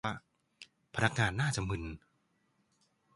พนักงานน่าจะมึน